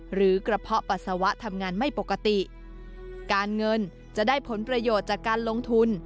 หรือกระเพาะปัสสาวะทำงานไม่ปกติการเงินจะได้ผลประโยชน์จากการลงทุน